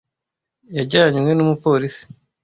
Yajyanywe n’umupolisi.